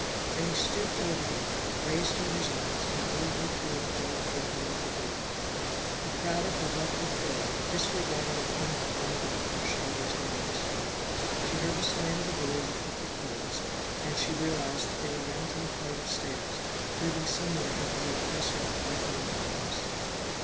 Then he stooped over her, raised her in his arms, and bore her toward the dark opening of the door. He crowded her roughly through it, disregarding the painful bumping of her shoulders and knees. She heard the slam of the door as he kicked it closed, and she realized that they were mounting a flight of stairs, moving somewhere into the oppressive threatening darkness.